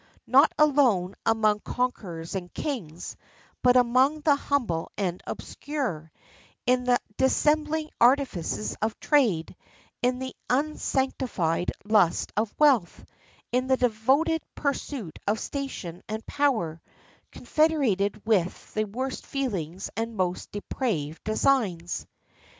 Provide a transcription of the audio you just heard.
Not alone among conquerors and kings, but among the humble and obscure; in the dissembling artifices of trade; in the unsanctified lust of wealth; in the devoted pursuit of station and power; confederated with the worst feelings and most depraved designs.